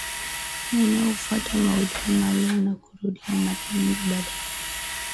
Maneno hufuata maudhui maalumu na hurudiwa mara nyingi baada ya muda